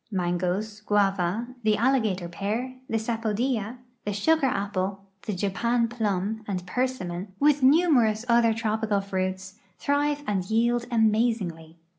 Mangos, guava, the alligator pear, the sapodilla, the sugar apple, the Japan plum and persimmon, with numer ous otlier tropical fruits, thrive and yield amazingly.